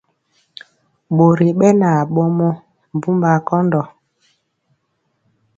Ɓori ɓɛ na ɓomɔ mbumbaa kɔndɔ.